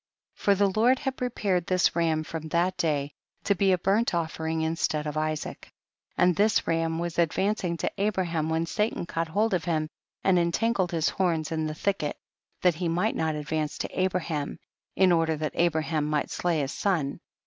7L For the Lord had prepared this ram from that day, to be a burnt offering instead of Isaac. 72. And this ram was advancing to Abraham when Satan caught hold of him and entangled his horns in the thicket, that he might not advance to Abraham, in order that Abraham might slay his son.